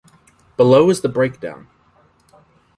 Below is the breakdown.